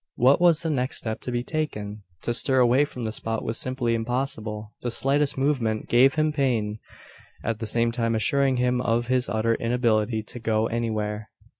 What was the next step to be taken? To stir away from the spot was simply impossible. The slightest movement gave him pain; at the same time assuring him of his utter inability to go anywhere.